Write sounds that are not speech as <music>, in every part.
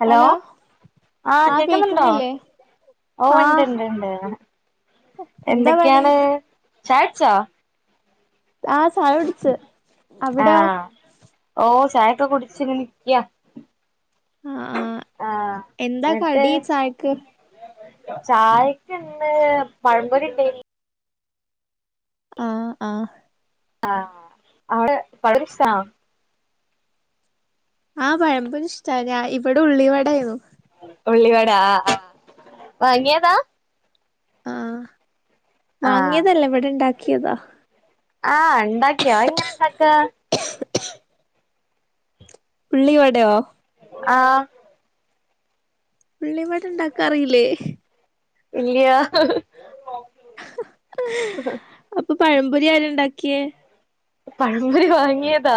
Hello ആഹ് ആ കേക്കുന്നുണ്ടോ കേക്കുന്നില്ലേ ഓ ആ ഉണ്ട്ണ്ട് ഉണ്ട് എന്താ പണി എന്തൊക്കെയാണ് ചായുടച്ചോ ആഹ് ചായകുടിച് അവിടെയോ ആഹ് ഓ ചായൊക്കെ കുടിച്ചി നിക്കിയ ആ ആ ആഹ് എന്താ എന്നിട്ടേ കടി ചായക്ക് ചായക്കിന്ന് പഴമ്പൊരി ഇണ്ടേന്ന് ആഹ് ആഹ് ആഹ് അവിടെ പഴംപൊരി ഇഷ്‌ടാന്നോ ആ പഴംപൊരി ഇഷ്ട ഞാ ഇവിടെ ഉള്ളിവടായിരുന്നു ഉള്ളിവട ആ ആ വാങ്ങിയതാ ആഹ് ആഹ് വാങ്ങിയതല്ല ഇവിടെ ഉണ്ടാക്കിയതാ ആഹ് ഉണ്ടാക്കിയോ അതെങ്ങെനെ ഇണ്ടാക്ക <unintelligible> ഉള്ളിവടെയോ ആഹ് ഉള്ളിവടഇണ്ടാക്കാൻ അറിയില്ലേ ഇല്ല്യാ അപ്പൊ പഴംപൊരി ആര് ഉണ്ടാക്കിയേ പഴമ്പൊരി വാങ്ങിയതാ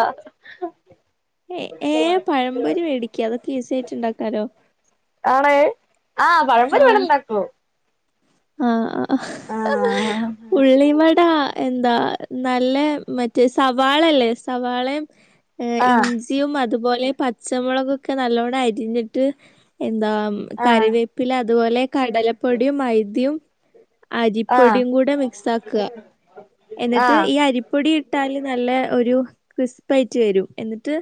ഏ ഏ പഴമ്പൊരി മേടിക്ക അതൊക്കെ ഈസി ആയിട്ട് ഇണ്ടാക്കാലോ ആണേ ആഹ് പഴംപൊരി ഇവടെ ഇണ്ടാകും ആഹ് ഉള്ളിവട എന്താ നല്ല മറ്റേ സവാളല്ലേ സവാളയും ആഹ് ഇഞ്ചിയും അ അതുപോലെ പച്ചമുളകൊക്കെ നല്ലോണം അരിഞ്ഞിട്ട് എന്താ ആഹ് കറിവേപ്പില അതുപോലെ കടലപ്പൊടിയും മൈദ്യം ആഹ് അരിപ്പൊടിയും കൂടെ മിക്സ് ആക്കുക എന്നിട്ട് ആഹ് ഈ അരിപ്പൊടി ഇട്ടാലും നല്ല ക്രിസ്പ്പി യായിട്ട് വരും എന്നിട്ട്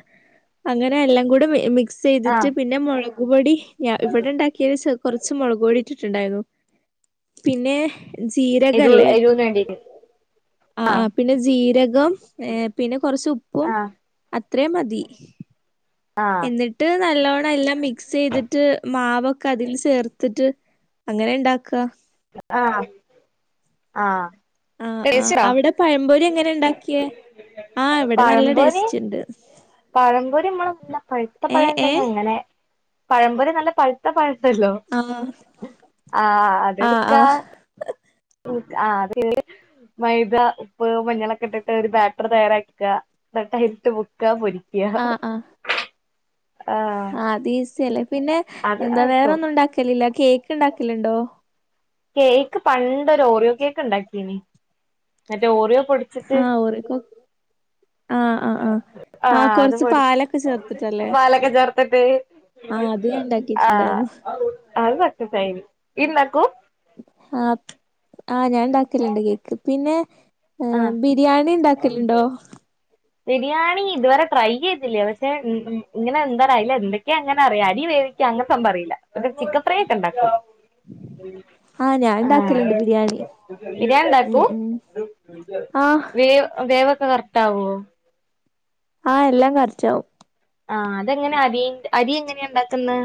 അങ്ങനെ എല്ലാം കൂടെ മിക്സ് ചെയ്തിട്ട് ആഹ് പിന്നെ മുളക് പൊടി ഇവിടെ ഉണ്ടാക്കിയത് കൊറച്ച് കൊറച്ച് മുളക് പൊടിട്ടിട്ടുണ്ടായിരുന്നു പിന്നെ എരു ജീരകല്ലേ എരുവിന് വേണ്ടിട്ട് ആ ആ ആഹ് പിന്നെ ജീരകം ഏ പിന്നെ കൊറച്ച് ഉപ്പും ആഹ് അത്രേ മതി ആഹ് എന്നിട്ട് നല്ലോണ്ണം എല്ലാം മിക്സ് ചെയ്തിട്ട് മാവ്ക്കെ അതിൽ ചേർത്തിട്ട് അങ്ങനെ ഇണ്ടാക്കുക ആഹ് ആഹ് ആഹ് ആഹ് കേച്ചടാ അവിടെ പഴംപൊരി എങ്ങനെ ഇണ്ടാക്കിയേ? ആഹ് ഇവിടെ നല്ല പഴമ്പൊരി ടേസ്റ്റ് ഇണ്ട്. പഴംപൊരി നമ്മള് നല്ല പഴുത്ത ഏഹ് പഴണ്ടെങ്കിൽ ഏഹ് അങ്ങനെ പഴംപൊരി നല്ല പഴുത്ത പഴ ല്ലോ ആഹ് ആ അത് ആഹ് എടുക്കാ ആഹ് ആ മൈദ ഉപ്പ് മഞ്ഞളൊക്കെ ഇട്ടിട്ട് ഒരു ബാറ്ററി തയ്യാറാക്കുക എന്നട്ട് അരിട്ട് മുക്ക പൊരിക്ക ആ ആ ആഹ് ആ അത് ഈസിയല്ലേ പിന്നെ അത് എന്താ കിട്ടും വേറൊന്നും ഉണ്ടാക്കല് ല്ലേ കേക്ക്ണ്ടാക്കല്ണ്ടോ കേക്ക് പണ്ടൊര് ഓറിയോ കേക്ക്ണ്ടാക്കീനി മറ്റേ ഓറിയോ ആ ഓറിയോ കൊ ആ അത് കൊറച്ച് പൊടി പാലൊക്കെ ചേർത്തിട്ടല്ലേ? പാലൊക്കെ ചേർത്തിട്ട് ആഹ് അത് ഞാൻ ആ ഇണ്ടാക്കിട്ടുണ്ടായിരുന്നു. അത് സക്സസ്സായി ഈ നട്ട് ആഹ് ആ ഞാൻണ്ടാക്കല്ണ്ട് കേക്ക് പിന്നെ ഏ ആഹ് ബിരിയാണിണ്ടാക്കല്ണ്ടോ ബിരിയാണി ഇതുവരെ ട്രൈയ്തില്ലേ പക്ഷെ ഇങ്ങനെ എന്താണ് എന്തോക്കെങ്ങനെ അറിയാം അരി വെ യ്ക്ക് അങ്ങന്സം പറയില്ല ഒര് ചിക്കൻ ഫ്രൈ ഒക്കെണ്ടാക്കും ആ ഞാൻ ഇണ്ടാക്കല്ണ്ട് ബിരിയാണി ഉം ബിരിയാണ്ടാക്കൂ ഉം ആഹ് വേ വേവൊക്കെ കറക്റ്റാവോ ആ എല്ലാം കറക്റ്റാവും ആ അതെങ്ങനെ അരി അരിങ്ങനെണ്ടാക്ക്ന്ന്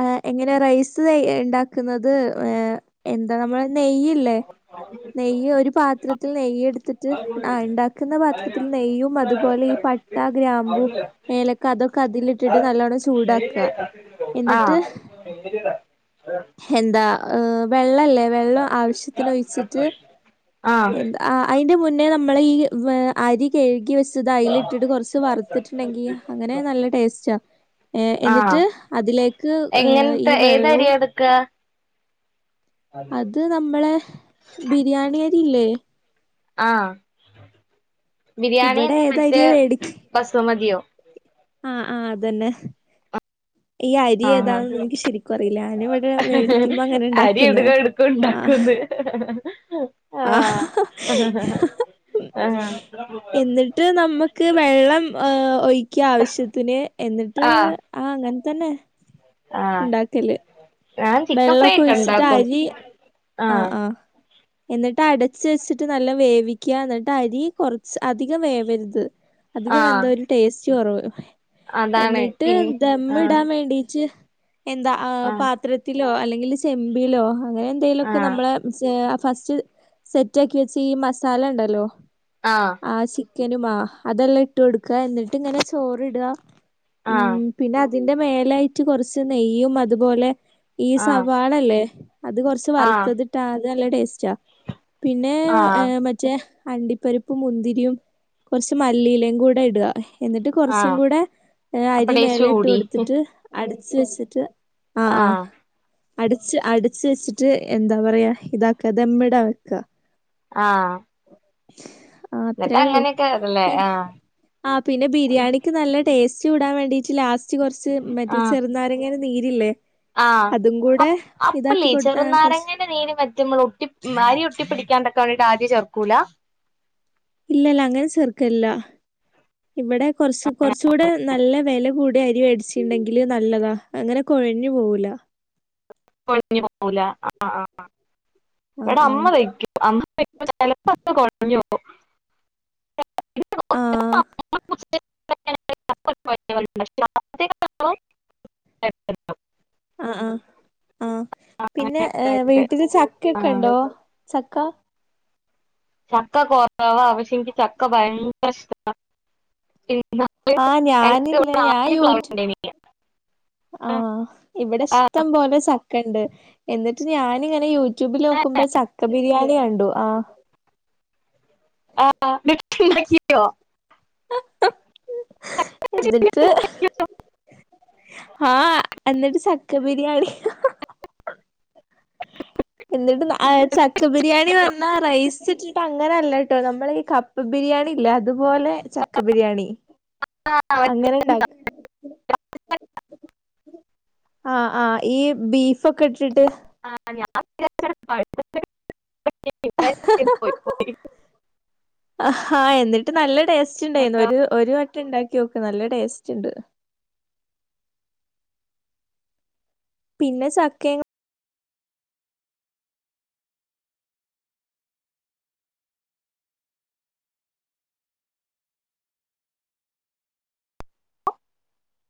ആ എങ്ങനെ റൈസ് ഇണ്ടാക്ക്ന്നത് ഏ എന്താ നമ്മളെ നെയ്യ്ല്ലേ നെയ്യ് ഒരു പാത്രത്തിൽ നെയ്യ്ട്ത്തിട്ട് ആ ഇണ്ടാക്ക്ന്ന പാത്രത്തിൽ നെയ്യും അതുപോലെ ഈ പട്ട ഗ്രാമ്പു ഏലക്ക അതൊക്ക അതിലിട്ടിട്ട് നല്ലോണം ചൂടാക്ക ന്നിട്ട് ആഹ് എന്താ ഹ് വെള്ളല്ലേ വെള്ളം ആവശ്യത്തിനൊഴിച്ചിട്ട് ആഹ് എന്ത്‌ ആ അയിന്റെ മുൻ ന്നേ നമ്മള് ഈ അരി കഴ്കി വെ ച്ചതയില്ട്ടിട്ട് കൊറച്ച് വറ്ത്ത്ട്ട്ണ്ടെങ്കി അങ്ങനെ നല്ല ടേസ്റ്റാ ഏ ആഹ് എന്നിട്ട് അതിലേക്ക് ഏഹ് ഈ എങ്ങനത്തെ ഏത് വെള്ളവും അര്യാ എട്ക്ക അത് നമ്മളെ ബിരിയാണിയരി ല്ലേ ആ ഇവിടെ ബിരിയാണിന്നാ മറ്റേ ഏതരിയാ ബസ്മതിയോ ആ ആഹ് അതെന്നെ ആ അറിയില്ല ഞാനിവിടെ വേടിക്കുമ്പോ അങ്ങനെ അരി ഇടുക ഇണ്ടാക്കുന്നയാ എടുക്കു ഇണ്ടാക്കുന്ന് ആ ആഹ് എന്നിട്ട് നമക്ക് വെള്ളം ഏ ഒഴിക്ക്യ ആവശ്യത്തിന് എന്നിട്ട് ആഹ് ആ അങ്ങനെ തന്നെ ആഹ് ഇണ്ടാക്കല് ഞാൻ ചിക്കൻ ഫ്രൈ വെള്ളോക്കെ ഒക്കെ ഒഴിച്ച്ട്ട് ഉണ്ടാക്കും അരി ആ ആഹ് ആ എന്നിട്ട് അടച്ച് വെച്ചിട്ട് നല്ലോം വേവിക്ക്യാ ന്ന്ട്ട് അരി കുറച്ച് അധികം വേവര്ത് അധികം ആഹ് വെന്താ ഒരു ടേസ്റ്റ് കൊറവ് അതാണ് എന്നിട്ട് പിൻ ആഹ് ദമ്മ്ടാൻ വേണ്ടീട്ട് എന്താ ആ ആഹ് പാത്രത്തിലോ അല്ലെങ്കിൽ ചെമ്പിലോ അങ്ങനെ എന്തെലൊക്കെ ആഹ് നമ്മളെ ഫസ്റ്റ് സെറ്റാക്കി വെച്ച ഈ മസാലണ്ടല്ലോ ആഹ് ആ ചി ക്കനും ആ അതെല്ലാം ഇട്ടോട്ക്ക എന്നിട്ട്ങ്ങനെ ചോറ്ടാ ആ അതിന്റെ മേലായിട്ട് കൊറച്ച് നെയ്യും അത്‌പോലെ ഈ ആഹ് സവാളല്ലേ അത് കൊറച്ച് ആഹ് വറ്ത്തത് ഇട്ടാ അത് നല്ല ടേസ്റ്റാ പിന്നെ ആഹ് മറ്റേ അണ്ടിപ്പരിപ്പും മുന്തിരിയും കൊറച്ച് മല്ലിയിലേം കൂടെ ഇടാ എന്നിട്ട് കൊറച്ചും ആഹ് കൂടെ അപ്പൊ അരി ടേസ്റ്റ് മേലെ ഇട്ട് കൂടി കൊട്ത്തിട്ട് അടച്ച് വെച്ചിട്ട് ആഹ് ആ അടച്ച് അടച്ച് വെച്ചിട്ട് എന്താ പറയാ ഇതാക്ക ദമ്മിടാ വെക്ക ആഹ് ആ എന്നിട്ട് അത്രേള്ളൂ അങ്ങനെയൊക്കെ അതല്ലേ പി ആഹ് ആ പിന്നെ ബിരിയാണിക്ക് നല്ല ടേസ് റ്റുടാൻ വേണ്ടീട്ട് ലാസ്റ്റ് കൊറച്ച് മറ്റേ ചെറ്നാരങ്ങന്റെ നീരില്ലേ? ആഹ അതും കൂടെ അപ്‌ അപ്പല്ലേ ഇതാക്കി ഈ കൊടുത്താൽ കുറച്ച് ചെറുനാരങ്ങന്റെ നീര് മറ്റ് മ്മൾ ഒട്ടി മാരി ഒട്ടി പിടിക്കാണ്ടൊക്കെ ആതി ചെർക്കൂല ഇല്ലല്ല അങ്ങന ചേർക്കല്ല. ഇവിടെ കുറച്ച് കുറചൂടെ നല്ല വെല കൂടിയ അരിവേടിച്ചിട്ടണ്ടെങ്കില് നല്ലതാ. അങ്ങനെ കൊഴഞ്ഞു പോവൂല കൊയിഞ്ഞു പോവൂല ആ ആ എട ആഹ് അമ്മ ആഹ് വയ്ക്കും കൊഴഞ് പോവും ആഹ് <unintelligible> <unintelligible> ആ ആ് ആഹ പിന്നെ ഏ അങ്ങനെയൊക്കായിട്ട് വീട്ടില് ആഹ് ചക്കയ്ക്കെണ്ടോ? ച ക്ക ചക്ക കുറവ പക്ഷെ ഇന്കി ചക്ക ഭയങ്കരഷ്ട ആഹ ഞാന്ല്ലേ ഞാ യൂറ്റു പ്ലാവുണ്ടേനി ആഹ് ആഹ ഇവിടെ ഇഷ്ടം പോലെ ചക്കണ്ട് എന്നിട്ട് ഞാാനിങ്ങനെ യൂട്യൂബിൽ ആഹ് നോക്കുമ്പോ ചക്ക ബിരിയാണി കണ്ടു ആ ആഹ് അ <unintelligible> ആ എന്നിട്ട് ആഹ എന്നിട്ട് ച്ചാ ക്ക ബിരിയാണിയ എന്നിട്ട് ചക്ക ബിരിയാണി നർന്നാ റൈസ് ഇട്ടിട്ട് അങ്ങനെല്ലട്ടോ നമ്മൾ ഈ കപ്പ ബിരിയാണി ല്ല അതുപോലെ ചക്ക ബിരിയാണി. ആഹ് അങ്ങനെണ്ടാക്ക് ആഹ ആഹ് ഈ ബീഫൊക്കെ ഇട്ടിട്ട് <unintelligible> പോയി ആഹഹാ എന്നിട്ട് നല്ല ടേസ്റ്റ്ണ്ടായിരുന്നു ഒരു ഒര് വ ട്ട്ണ്ടാക്യോക്ക് നല്ല ടേസ്റ്റ്ണ്ട്. പിന്നെ ചക്കയും